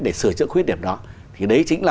để sửa chữa khuyết điểm đó thì đấy chính là